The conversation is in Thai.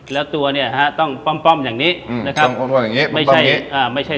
แล้วตัวต้องป้อมอย่างนี้